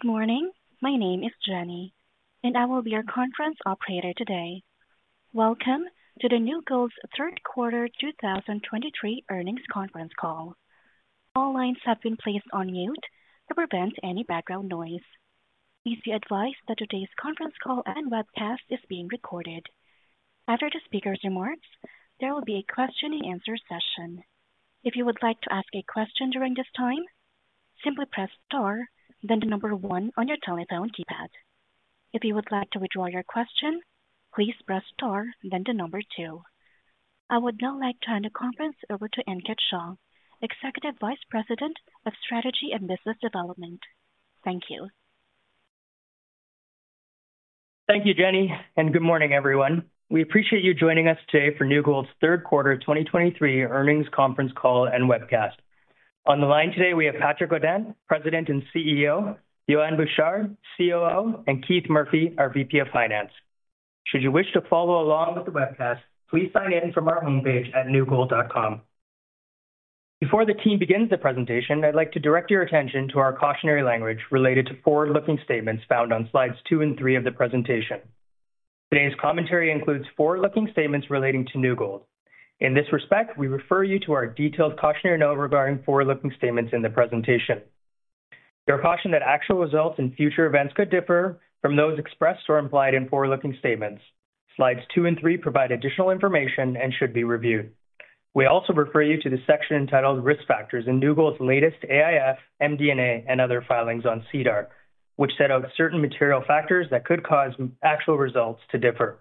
Good morning. My name is Jenny, and I will be your conference operator today. Welcome to the New Gold's third quarter 2023 earnings conference call. All lines have been placed on mute to prevent any background noise. Please be advised that today's conference call and webcast is being recorded. After the speaker's remarks, there will be a question-and-answer session. If you would like to ask a question during this time, simply press star, then the number one on your telephone keypad. If you would like to withdraw your question, please press star, then the number two. I would now like to turn the conference over to Ankit Shah, Executive Vice President of Strategy and Business Development. Thank you. Thank you, Jenny, and good morning, everyone. We appreciate you joining us today for New Gold's third quarter of 2023 earnings conference call and webcast. On the line today, we have Patrick Godin, President and CEO, Yohann Bouchard, COO, and Keith Murphy, our VP of Finance. Should you wish to follow along with the webcast, please sign in from our homepage at newgold.com. Before the team begins the presentation, I'd like to direct your attention to our cautionary language related to forward-looking statements found on slides two and three of the presentation. Today's commentary includes forward-looking statements relating to New Gold. In this respect, we refer you to our detailed cautionary note regarding forward-looking statements in the presentation. You're cautioned that actual results in future events could differ from those expressed or implied in forward-looking statements. Slides two and three provide additional information and should be reviewed. We also refer you to the section entitled Risk Factors in New Gold's latest AIF, MD&A, and other filings on SEDAR, which set out certain material factors that could cause actual results to differ.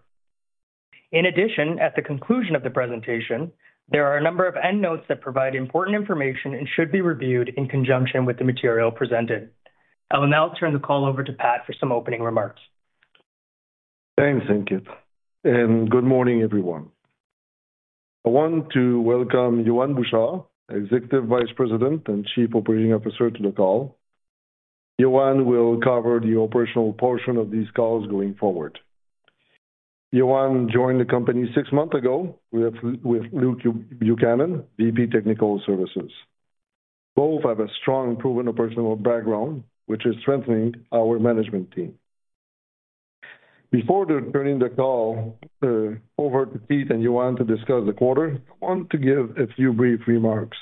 In addition, at the conclusion of the presentation, there are a number of endnotes that provide important information and should be reviewed in conjunction with the material presented. I will now turn the call over to Pat for some opening remarks. Thanks, Ankit, and good morning, everyone. I want to welcome Yohann Bouchard, Executive Vice President and Chief Operating Officer, to the call. Yohann will cover the operational portion of these calls going forward. Yohann joined the company six months ago with Luke Buchanan, VP Technical Services. Both have a strong, proven operational background, which is strengthening our management team. Before turning the call over to Keith and Yohann to discuss the quarter, I want to give a few brief remarks.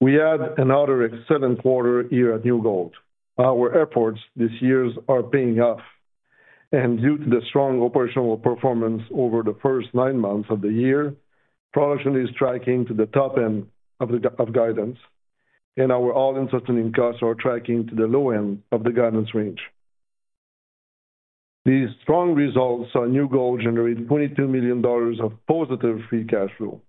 We had another excellent quarter here at New Gold. Our efforts this year are paying off, and due to the strong operational performance over the first nine months of the year, production is tracking to the top end of the guidance, and our all-in sustaining costs are tracking to the low end of the guidance range. These strong results saw New Gold generate $22 million of positive free cash flow.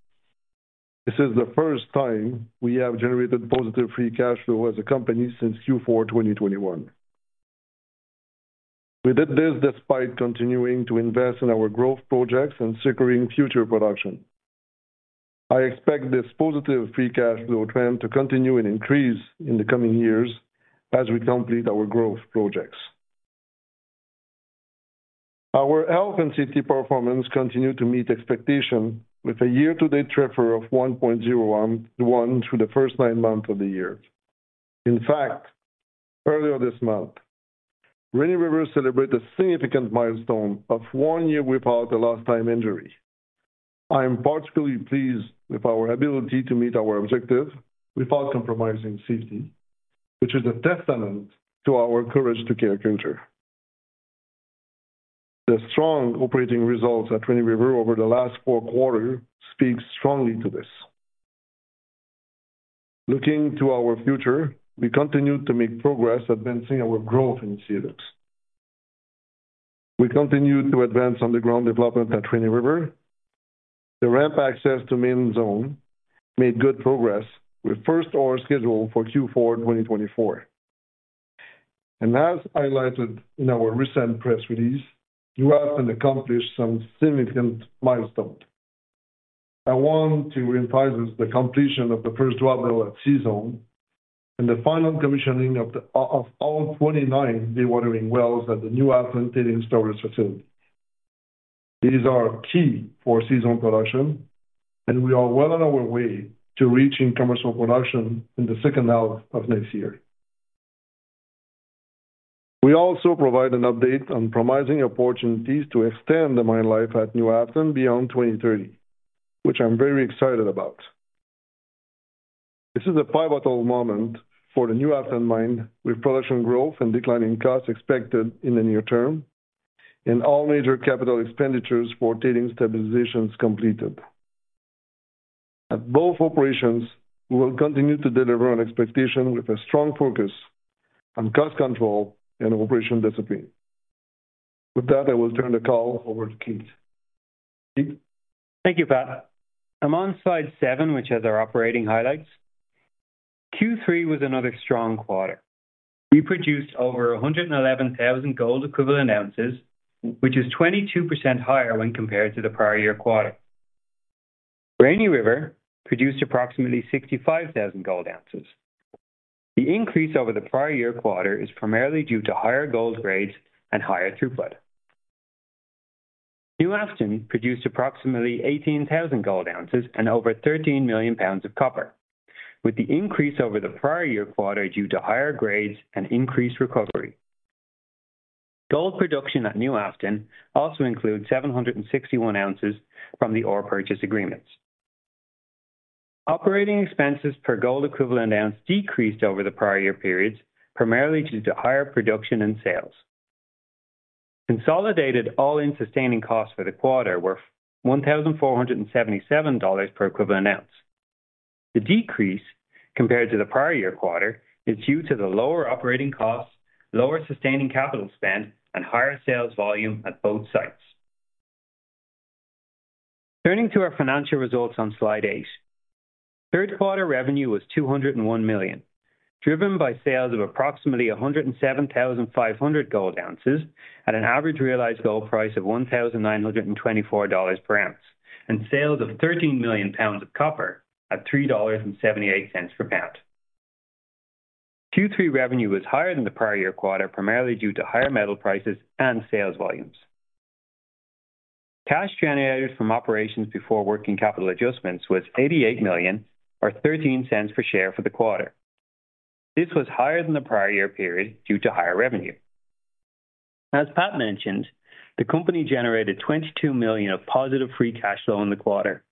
This is the first time we have generated positive free cash flow as a company since Q4 2021. We did this despite continuing to invest in our growth projects and securing future production. I expect this positive free cash flow trend to continue and increase in the coming years as we complete our growth projects. Our health and safety performance continued to meet expectation with a year-to-date TRIR of 1.01 to the first nine months of the year. In fact, earlier this month, Rainy River celebrated a significant milestone of one year without a lost-time injury. I am particularly pleased with our ability to meet our objective without compromising safety, which is a testament to our Courage to Care culture. The strong operating results at Rainy River over the last four quarters speaks strongly to this. Looking to our future, we continue to make progress advancing our growth in C-Zone. We continue to advance on the ground development at Rainy River. The ramp access to Main Zone made good progress, with first ore scheduled for Q4 2024. As highlighted in our recent press release, we have accomplished some significant milestones. I want to emphasize the completion of the first drawbell at C-Zone and the final commissioning of all 29 dewatering wells at the New Afton tailings storage facility. These are key for C-Zone production, and we are well on our way to reaching commercial production in the second half of next year. We also provide an update on promising opportunities to extend the mine life at New Afton beyond 2030, which I'm very excited about. This is a pivotal moment for the New Afton Mine, with production growth and declining costs expected in the near term, and all major capital expenditures for tailings stabilizations completed. At both operations, we will continue to deliver on expectations with a strong focus on cost control and operational discipline. With that, I will turn the call over to Keith. Keith? Thank you, Pat. I'm on slide seven, which has our operating highlights. Q3 was another strong quarter. We produced over 111,000 gold equivalent ounces, which is 22% higher when compared to the prior year quarter. Rainy River produced approximately 65,000 gold ounces. The increase over the prior year quarter is primarily due to higher gold grades and higher throughput. New Afton produced approximately 18,000 gold ounces and over 13 million lbs of copper, with the increase over the prior year quarter due to higher grades and increased recovery. Gold production at New Afton also includes 761 ounces from the ore purchase agreements. Operating expenses per gold equivalent ounce decreased over the prior year periods, primarily due to higher production and sales. Consolidated all-in sustaining costs for the quarter were $1,477 per equivalent ounce. The decrease compared to the prior year quarter is due to the lower operating costs, lower sustaining capital spend, and higher sales volume at both sites. Turning to our financial results on slide eight. Third quarter revenue was $201 million, driven by sales of approximately 107,500 gold ounces at an average realized gold price of $1,924 per ounce, and sales of 13 million lbs of copper at $3.78 per pound. Q3 revenue was higher than the prior year quarter, primarily due to higher metal prices and sales volumes. Cash generated from operations before working capital adjustments was $88 million, or $0.13 per share for the quarter. This was higher than the prior year period due to higher revenue. As Pat mentioned, the company generated $22 million of positive free cash flow in the quarter.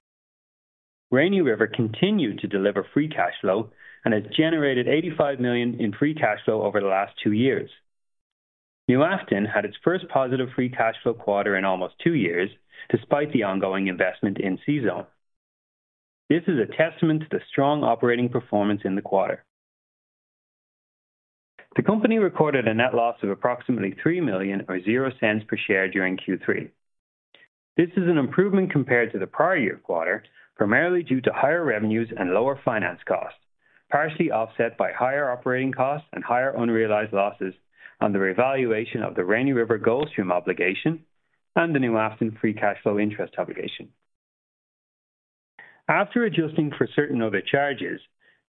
Rainy River continued to deliver free cash flow and has generated $85 million in free cash flow over the last two years. New Afton had its first positive free cash flow quarter in almost two years, despite the ongoing investment in C-Zone. This is a testament to the strong operating performance in the quarter. The company recorded a net loss of approximately $3 million or $0.00 per share during Q3. This is an improvement compared to the prior year quarter, primarily due to higher revenues and lower finance costs, partially offset by higher operating costs and higher unrealized losses on the revaluation of the Rainy River gold stream obligation and the New Afton free cash flow interest obligation. After adjusting for certain other charges,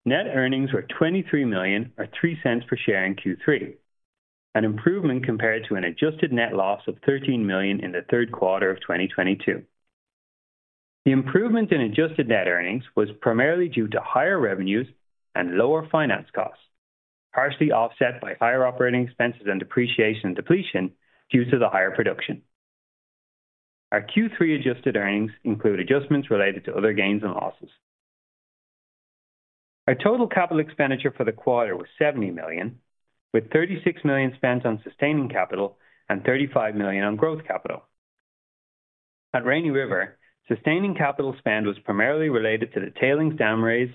net earnings were $23 million or $0.03 per share in Q3, an improvement compared to an adjusted net loss of $13 million in the third quarter of 2022. The improvement in adjusted net earnings was primarily due to higher revenues and lower finance costs, partially offset by higher operating expenses and depreciation and depletion due to the higher production. Our Q3 adjusted earnings include adjustments related to other gains and losses. Our total capital expenditure for the quarter was $70 million, with $36 million spent on sustaining capital and $35 million on growth capital. At Rainy River, sustaining capital spend was primarily related to the tailings dam raise,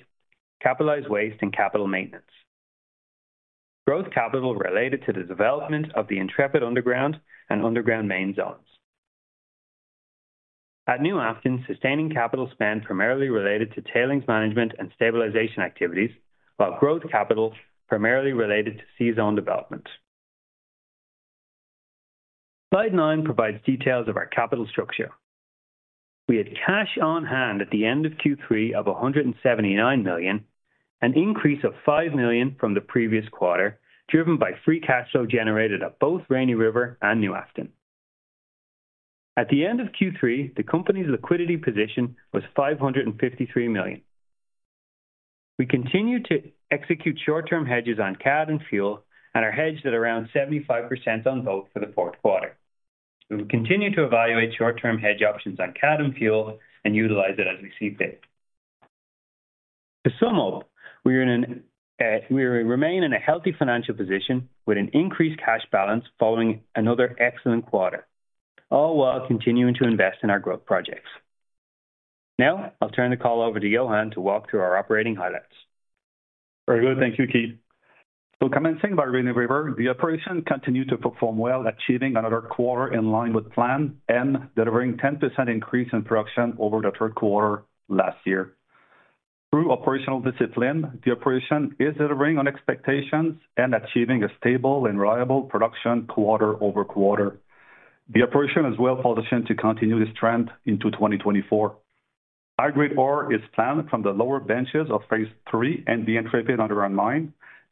capitalized waste, and capital maintenance. Growth capital related to the development of the Intrepid Underground Underground Main Zones. at New Afton, sustaining capital spend primarily related to tailings management and stabilization activities, while growth capital primarily related to C-Zone development. Slide nine provides details of our capital structure. We had cash on hand at the end of Q3 of $179 million, an increase of $5 million from the previous quarter, driven by free cash flow generated at both Rainy River and New Afton. At the end of Q3, the company's liquidity position was $553 million. We continue to execute short-term hedges on CAD and fuel, and are hedged at around 75% on both for the fourth quarter. We will continue to evaluate short-term hedge options on CAD and fuel and utilize it as we see fit. To sum up, we are in an, we remain in a healthy financial position with an increased cash balance following another excellent quarter, all while continuing to invest in our growth projects. Now, I'll turn the call over to Yohann to walk through our operating highlights. Very good. Thank you, Keith. So commencing by Rainy River, the operation continued to perform well, achieving another quarter in line with plan and delivering 10% increase in production over the third quarter last year. Through operational discipline, the operation is delivering on expectations and achieving a stable and reliable production quarter over quarter. The operation is well positioned to continue this trend into 2024. High-grade ore is planned from the lower benches of phase three and the Intrepid underground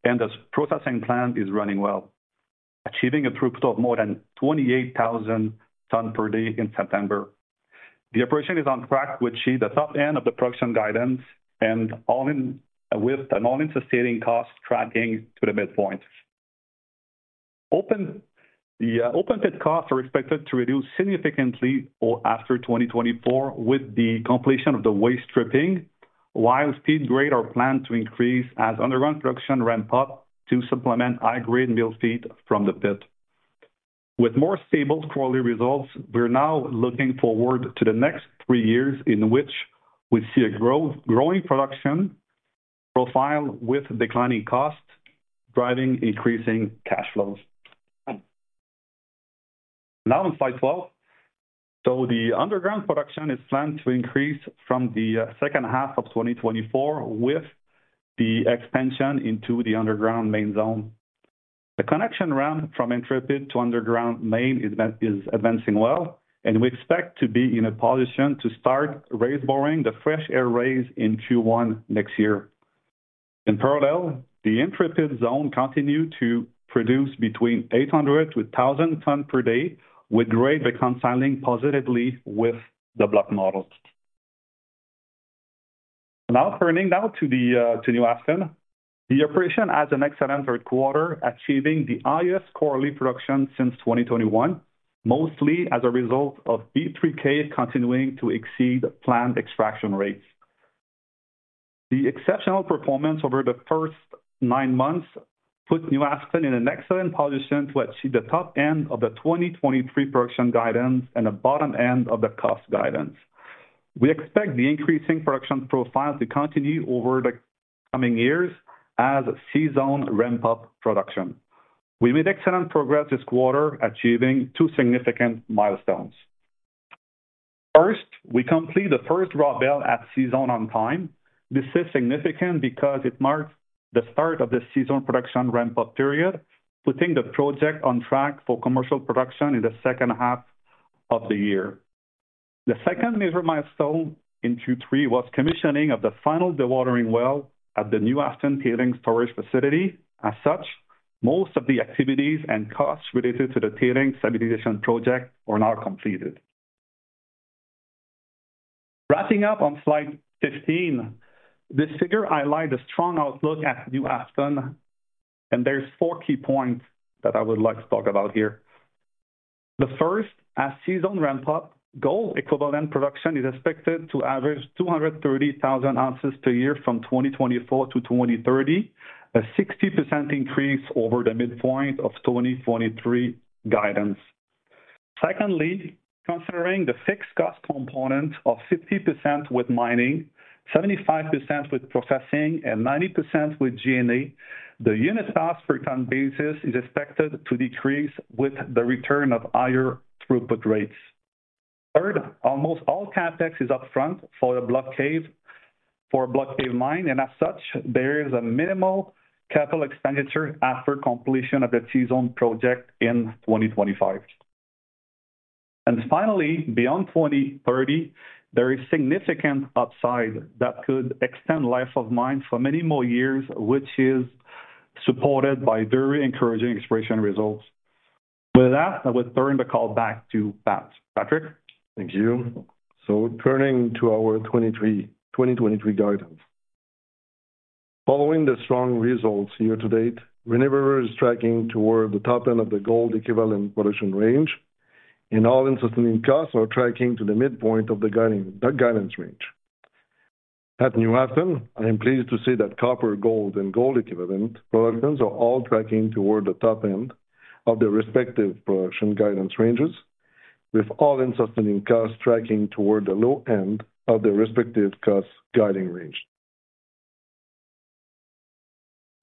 mine, and the processing plant is running well, achieving a throughput of more than 28,000 tons per day in September. The operation is on track to achieve the top end of the production guidance and all in with an all-in sustaining cost, tracking to the midpoint. Open pit costs are expected to reduce significantly or after 2024, with the completion of the waste stripping, while feed grade are planned to increase as underground production ramp up to supplement high-grade mill feed from the pit. With more stable quarterly results, we're now looking forward to the next three years, in which we see a growth, growing production profile with declining costs, driving increasing cash flows. Now on slide 12. So the underground production is planned to increase from the second half of 2024, with the expansion into Underground Main Zone. the connection ramp from Intrepid to Underground Main is advancing well, and we expect to be in a position to start raise boring, the fresh air raise in Q1 next year. In parallel, the Intrepid Zone continue to produce between 800 tons per day-1,000 tons per day, with grade reconciling positively with the block models. Now turning to New Afton. The operation has an excellent third quarter, achieving the highest quarterly production since 2021, mostly as a result of B3 cave continuing to exceed planned extraction rates. The exceptional performance over the first nine months puts New Afton in an excellent position to achieve the top end of the 2023 production guidance and the bottom end of the cost guidance. We expect the increasing production profile to continue over the coming years as C-Zone ramp up production. We made excellent progress this quarter, achieving two significant milestones. First, we completed the first draw bell at C-Zone on time. This is significant because it marks the start of the C-Zone production ramp-up period, putting the project on track for commercial production in the second half of the year. The second major milestone in Q3 was commissioning of the final dewatering well at the New Afton Tailings Storage Facility. As such, most of the activities and costs related to the tailings stabilization project are now completed. Wrapping up on slide 15, this figure highlight the strong outlook at New Afton, and there's four key points that I would like to talk about here. The first, as C-Zone ramp up, gold equivalent production is expected to average 230,000 ounces per year from 2024 to 2030, a 60% increase over the midpoint of 2023 guidance. Secondly, considering the fixed cost component of 50% with mining, 75% with processing, and 90% with G&A, the unit cost per ton basis is expected to decrease with the return of higher throughput rates. Third, almost all CapEx is upfront for the block cave, for block cave mine, and as such, there is a minimal capital expenditure after completion of the C-Zone project in 2025. And finally, beyond 2030, there is significant upside that could extend life of mine for many more years, which is supported by very encouraging exploration results. With that, I would turn the call back to Pat. Patrick? Thank you. So turning to our 2023 guidance. Following the strong results year to date, Rainy River is tracking toward the top end of the gold equivalent production range, and all-in sustaining costs are tracking to the midpoint of the guidance range. At New Afton, I am pleased to see that copper, gold, and gold equivalent productions are all tracking toward the top end of their respective production guidance ranges, with all-in sustaining costs tracking toward the low end of the respective cost guidance range.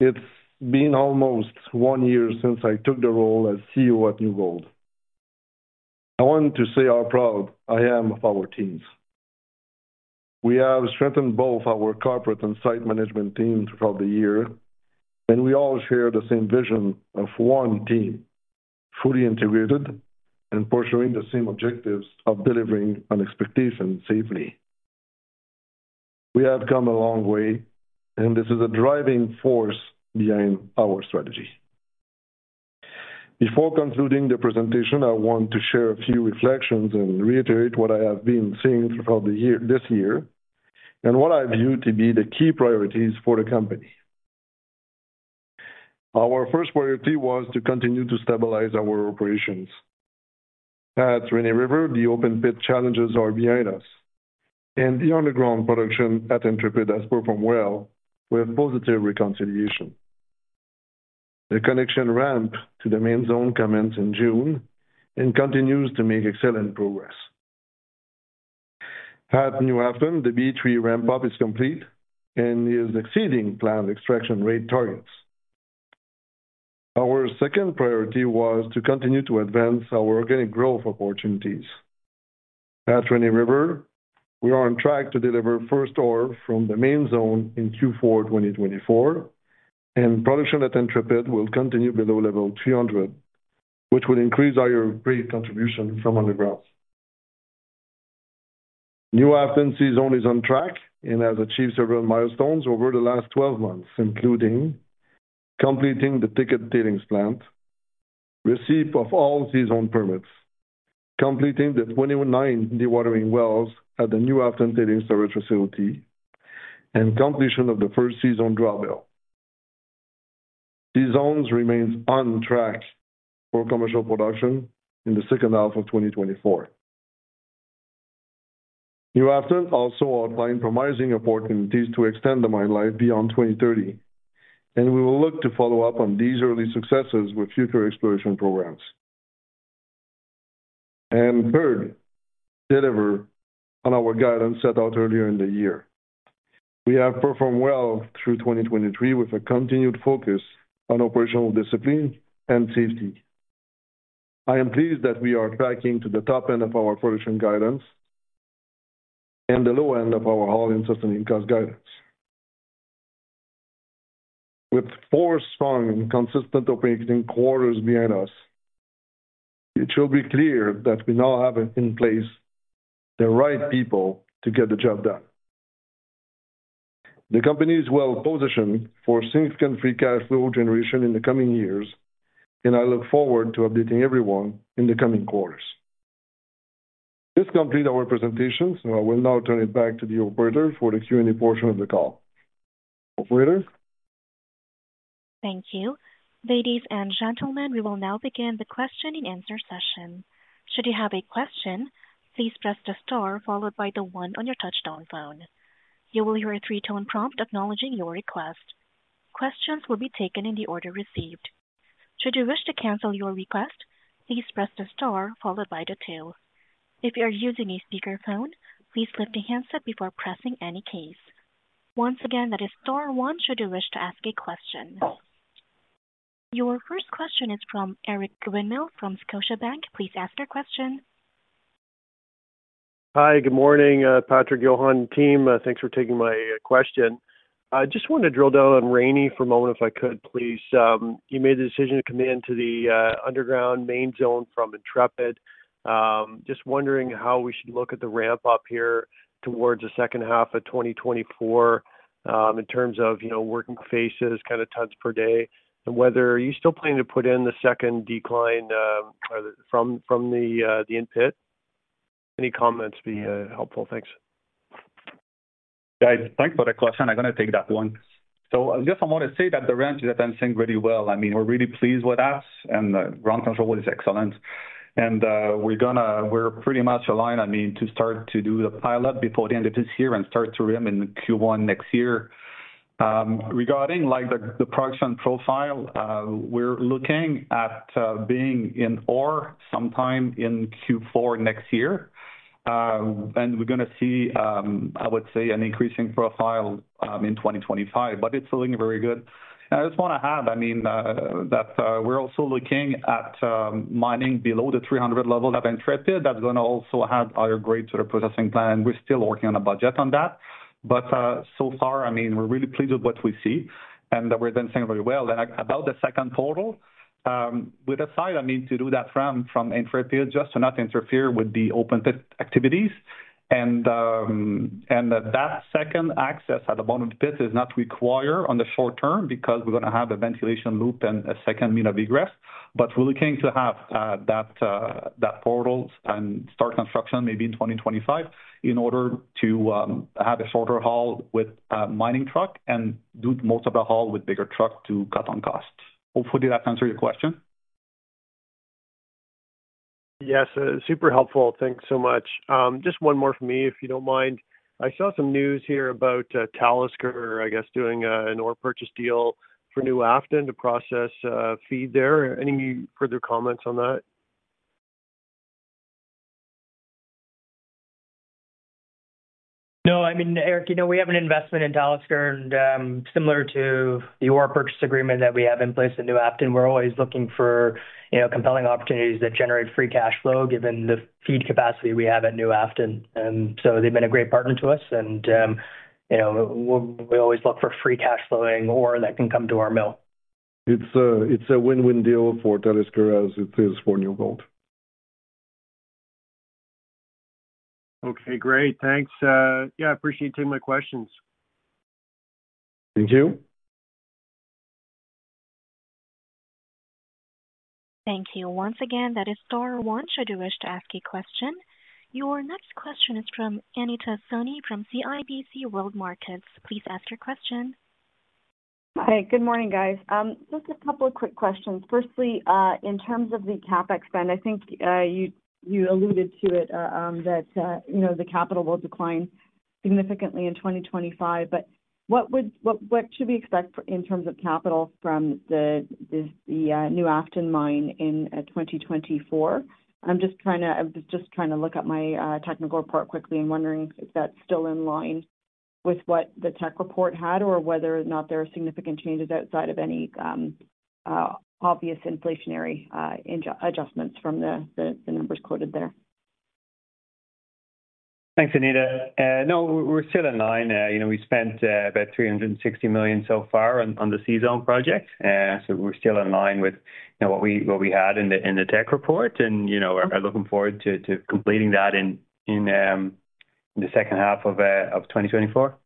It's been almost one year since I took the role as CEO at New Gold. I want to say how proud I am of our teams. We have strengthened both our corporate and site management teams throughout the year, and we all share the same vision of one team, fully integrated and pursuing the same objectives of delivering on expectation safely. We have come a long way, and this is a driving force behind our strategy. Before concluding the presentation, I want to share a few reflections and reiterate what I have been saying throughout the year, this year, and what I view to be the key priorities for the company. Our first priority was to continue to stabilize our operations. At Rainy River, the open pit challenges are behind us, and the underground production at Intrepid has performed well with positive reconciliation. The connection ramp to the Main Zone commenced in June and continues to make excellent progress. At New Afton, the B3 ramp up is complete and is exceeding planned extraction rate targets. Our second priority was to continue to advance our organic growth opportunities. At Rainy River, we are on track to deliver first ore from the Main Zone in Q4 2024, and production at Intrepid will continue below level 300, which will increase our grade contribution from underground. New Afton C-Zone is on track and has achieved several milestones over the last 12 months, including completing the thickened tailings plant, receipt of all C-Zone permits, completing the 29 dewatering wells at the New Afton Tailings Storage Facility, and completion of the first C-Zone draw bell. C-Zone remains on track for commercial production in the second half of 2024. New Afton also outlined promising opportunities to extend the mine life beyond 2030, and we will look to follow up on these early successes with future exploration programs. And third, deliver on our guidance set out earlier in the year. We have performed well through 2023 with a continued focus on operational discipline and safety. I am pleased that we are tracking to the top end of our production guidance and the low end of our all-in sustaining cost guidance. With four strong and consistent operating quarters behind us. It should be clear that we now have in place the right people to get the job done. The company is well positioned for significant free cash flow generation in the coming years, and I look forward to updating everyone in the coming quarters. This completes our presentation, so I will now turn it back to the operator for the Q&A portion of the call. Operator? Thank you. Ladies and gentlemen, we will now begin the question-and-answer session. Should you have a question, please press the star followed by the one on your touch-tone phone. You will hear a three-tone prompt acknowledging your request. Questions will be taken in the order received. Should you wish to cancel your request, please press the star followed by the two. If you are using a speakerphone, please lift the handset before pressing any keys. Once again, that is star one should you wish to ask a question. Your first question is from Eric Winmill from Scotiabank. Please ask your question. Hi, good morning, Patrick, Yohann, team. Thanks for taking my question. I just wanted to drill down on Rainy for a moment, if I could, please. You made the decision to come into Underground Main Zone from Intrepid. Just wondering how we should look at the ramp up here towards the second half of 2024, in terms of, you know, working faces, kind of, tons per day, and whether are you still planning to put in the second decline, from the in pit? Any comments be helpful. Thanks. Guys, thanks for the question. I'm going to take that one. So I guess I want to say that the ramp is advancing really well. I mean, we're really pleased with us, and the ground control is excellent. And we're pretty much aligned, I mean, to start to do the pilot before the end of this year and start to ramp in Q1 next year. Regarding, like, the production profile, we're looking at being in ore sometime in Q4 next year. And we're gonna see, I would say, an increasing profile in 2025, but it's looking very good. I just want to add, I mean, that we're also looking at mining below the 300 level at Intrepid. That's gonna also have other grades to the processing plant, and we're still working on a budget on that. But, so far, I mean, we're really pleased with what we see and that we're advancing very well. And about the second portal, with a site, I mean, to do that from, from Intrepid, just to not interfere with the open pit activities. And, and that second access at the bottom of the pit is not required on the short term because we're gonna have a ventilation loop and a second mine of egress. But we're looking to have, that, that portal and start construction maybe in 2025 in order to, have a shorter haul with a mining truck and do most of the haul with bigger truck to cut on costs. Hopefully, that answers your question. Yes, super helpful. Thanks so much. Just one more from me, if you don't mind. I saw some news here about Talisker, I guess, doing an ore purchase deal for New Afton to process feed there. Any further comments on that? No, I mean, Eric, you know, we have an investment in Talisker, and, similar to the ore purchase agreement that we have in place at New Afton, we're always looking for, you know, compelling opportunities that generate free cash flow, given the feed capacity we have at New Afton. And so they've been a great partner to us and, you know, we, we always look for free cash flowing ore that can come to our mill. It's a win-win deal for Talisker as it is for New Gold. Okay, great. Thanks. Yeah, I appreciate taking my questions. Thank you. Thank you. Once again, that is star one, should you wish to ask a question. Your next question is from Anita Soni from CIBC World Markets. Please ask your question. Hi, good morning, guys. Just a couple of quick questions. Firstly, in terms of the CapEx spend, I think you alluded to it, that you know, the capital will decline significantly in 2025, but what would, what should we expect in terms of capital from the New Afton Mine in 2024? I'm just trying to look at my technical part quickly and wondering if that's still in line with what the tech report had or whether or not there are significant changes outside of any obvious inflationary adjustments from the numbers quoted there. Thanks, Anita. No, we're still in line. You know, we spent about $360 million so far on the C-Zone project, so we're still in line with, you know, what we had in the tech report. And, you know, we're looking forward to completing that in the second half of 2024.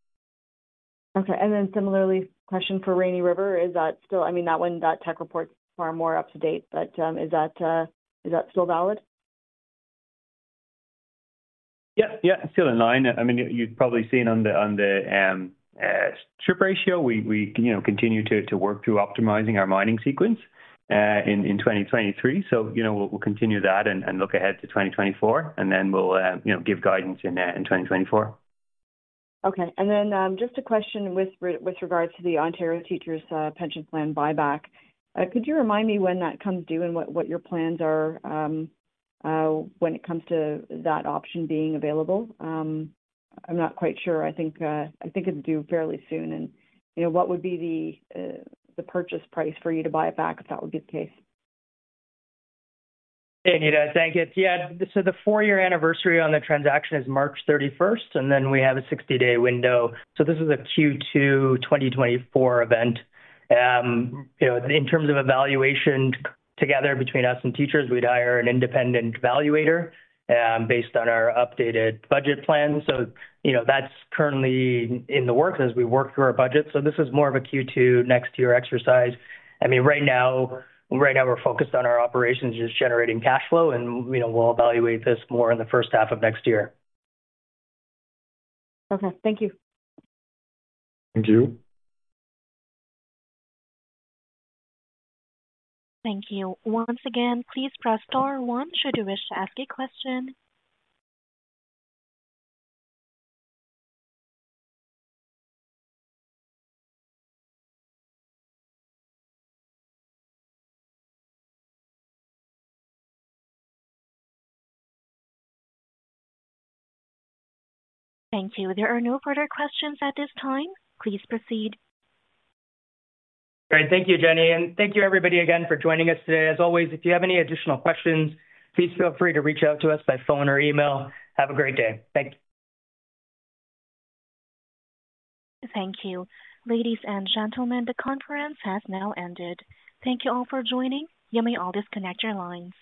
Okay. Then similarly, question for Rainy River. Is that still, I mean, that one, that tech report is far more up to date, but is that still valid? Yeah, yeah, it's still in line. I mean, you've probably seen on the strip ratio. We, you know, continue to work through optimizing our mining sequence in 2023. So, you know, we'll continue that and look ahead to 2024, and then we'll give guidance in 2024. Okay. And then, just a question with regards to the Ontario Teachers' Pension Plan buyback. Could you remind me when that comes due and what your plans are, when it comes to that option being available? I'm not quite sure. I think, I think it's due fairly soon and, you know, what would be the, the purchase price for you to buy it back, if that would be the case? Hey, Anita. Thank you. Yeah, so the four-year anniversary on the transaction is March 31st, and then we have a 60-day window. So this is a Q2 2024 event. You know, in terms of evaluation together between us and Teachers, we'd hire an independent evaluator, based on our updated budget plan. So, you know, that's currently in the works as we work through our budget. So this is more of a Q2 next year exercise. I mean, right now, right now we're focused on our operations, just generating cash flow, and, you know, we'll evaluate this more in the first half of next year. Okay. Thank you. Thank you. Thank you. Once again, please press star one should you wish to ask a question. Thank you. There are no further questions at this time. Please proceed. Great. Thank you, Jenny, and thank you, everybody again for joining us today. As always, if you have any additional questions, please feel free to reach out to us by phone or email. Have a great day. Thank you. Thank you. Ladies and gentlemen, the conference has now ended. Thank you all for joining. You may all disconnect your lines.